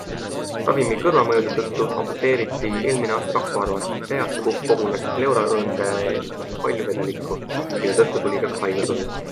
Ravimite kõrvalmõjude tõttu amputeeriti eelmine aasta kaks varvast, see aasta kogunes pleuraõõnde palju vedelikku, mille tõttu tuli ka haiglas olla.